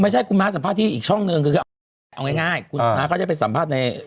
ไม่ใช่คุณม้าสัมภาษณ์อีกช่องหนึ่งคือเอาง่ายเอาง่ายคุณม้าก็ได้ไปสัมภาษณ์ใน